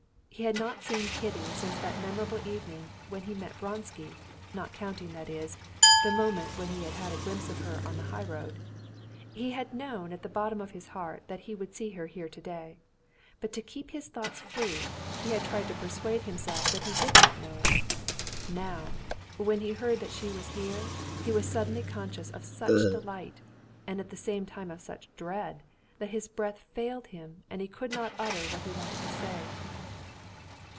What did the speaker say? He had not seen Kitty since that memorable evening when he met Vronsky, not counting, that is, the moment when he had had a glimpse of her on the highroad. He had known at the bottom of his heart that he would see her here today. But to keep his thoughts free, he had tried to persuade himself that he did not know it. Now when he heard that she was here, he was suddenly conscious of such delight, and at the same time of such dread, that his breath failed him and he could not utter what he wanted to say.